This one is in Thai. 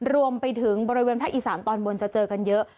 รวมไปถึงบริเวณภาคอีสานตอนบนจะเจอกันเยอะ